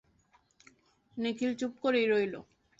নিখিল চুপ করেই রইল।